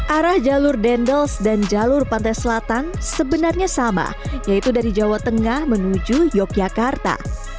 arah jalur dendels dan jalur pantai selatan sebenarnya sama yaitu dari jawa tengah menuju yogyakarta